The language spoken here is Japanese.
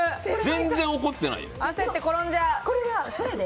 全然怒ってないよ。